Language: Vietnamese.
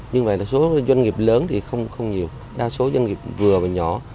như vậy là số doanh nghiệp lớn thì không nhiều đa số doanh nghiệp vừa và nhỏ